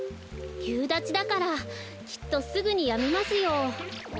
ゆうだちだからきっとすぐにやみますよ。